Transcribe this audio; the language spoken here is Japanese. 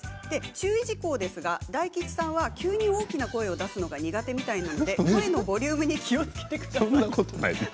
注意事項ですが大吉さんは急に大きな声を出すのが苦手みたいなので声のボリュームにそんなことはない。